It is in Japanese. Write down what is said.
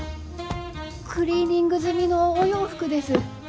クリーニング済みのお洋服です。